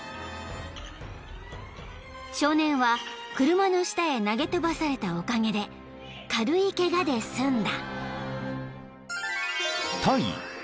［少年は車の下へ投げ飛ばされたおかげで軽いケガで済んだ］